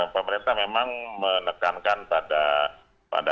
pemerintah memang menekankan pada ketepatan sasaran ya